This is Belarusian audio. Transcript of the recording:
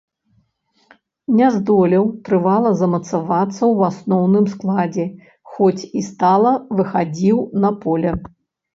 Не здолеў трывала замацавацца ў асноўным складзе, хоць і стала выхадзіў на поле.